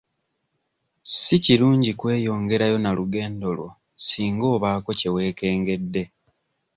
Si kirungi kweyongerayo na lugendo lwo singa obaako kye weekengedde.